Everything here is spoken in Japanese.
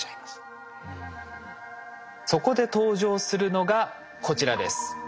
そこで登場するのがこちらです。